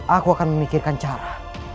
aku akan memikirkan cara